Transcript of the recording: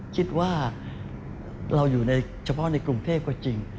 คิดว่าเราอยู่ในเฉพาะในกรุงเทพก็จริง